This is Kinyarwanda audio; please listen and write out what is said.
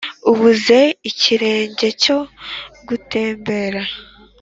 ubuze ikirenge cyo gutembera?